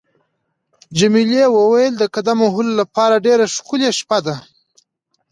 جميلې وويل: د قدم وهلو لپاره ډېره ښکلې شپه ده.